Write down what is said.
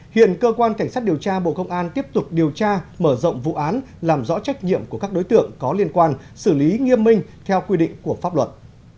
hiện cơ quan cảnh sát điều tra bộ công an tiếp tục điều tra mở rộng vụ án làm rõ trách nhiệm của các đối tượng có liên quan xử lý nghiêm minh theo quy định của pháp luật